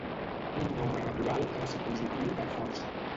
Un nombre natural ha de ser positiu per força.